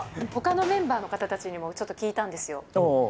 ほかのメンバーの方たちにもちょっと聞いたんですよ。